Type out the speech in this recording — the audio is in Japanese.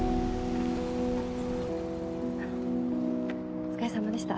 お疲れさまでした。